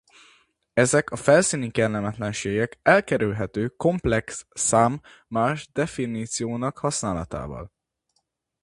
Ezek a felszíni kellemetlenségek elkerülhetők a komplex szám más definícióinak használatával.